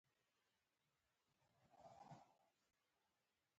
د ویډیو رنګ تصحیح د کیفیت نښه ده